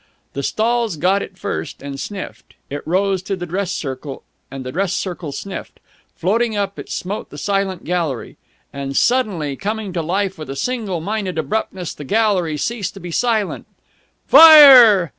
The stalls got it first, and sniffed. It rose to the dress circle, and the dress circle sniffed. Floating up, it smote the silent gallery. And, suddenly, coming to life with a single minded abruptness, the gallery ceased to be silent. "Fire!"